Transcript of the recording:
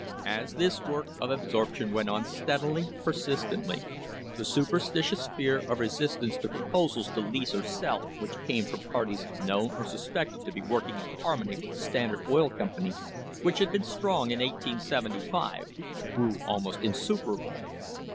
'" As this work of absorption went on steadily, persistently, the superstitious fear of resistance to proposals to lease or sell which came from parties known or suspected to be work ing in harmony with the Standard Oil Company, which had been strong in 1875, g re w almost insuperable.